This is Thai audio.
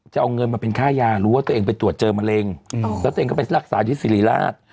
จะเอาเงินมาเป็นค่ายารู้ว่าตัวเองไปตรวจเจอมะเร็งแล้วตัวเองก็ไปรักษาที่สิริราช